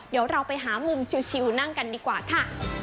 เดี๋ยวเราไปหามุมชิวนั่งกันดีกว่าค่ะ